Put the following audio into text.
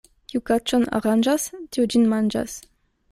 Kiu kaĉon aranĝas, tiu ĝin manĝas.